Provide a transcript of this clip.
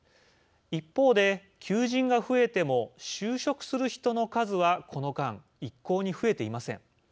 一方で、求人が増えても就職する人の数はこの間、一向に増えていません。